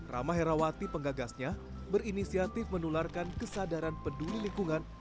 rama herawati penggagasnya berinisiatif menularkan kesadaran peduli lingkungan